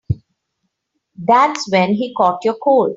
That's when he caught your cold.